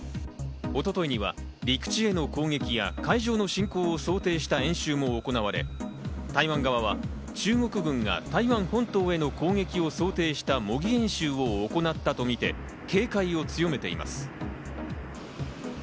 一昨日には、陸地への攻撃や海上の侵攻を想定した演習も行われ、台湾側は中国軍が台湾本島への攻撃を想定した模擬演習を行ったとみて警戒を強めています。